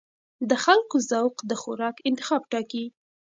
د خلکو ذوق د خوراک انتخاب ټاکي.